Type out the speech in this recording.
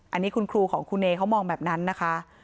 อันนี้คุณครูของคุณเนยเขามองแบบนั้นนะคะ